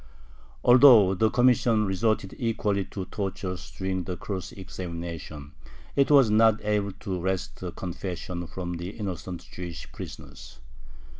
Although the commission resorted equally to tortures during the cross examination, it was not able to wrest a confession from the innocent Jewish prisoners.